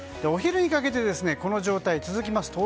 お昼にかけてこの状態が続きます。